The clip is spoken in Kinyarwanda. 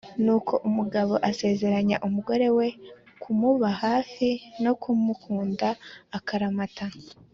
nuko umugabo asezeranya umugore we kumuba hafi no kumukunda akaramata